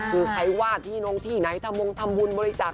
คือใครว่าที่น้องที่ไหนทำวงธรรมบุญบริจาค